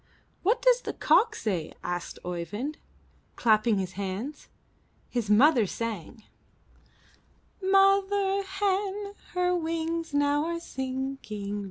'What does the cock say?*' asked Oeyvind, clapping his hands. His mother sang: ''Mother hen, her wings now are sinking.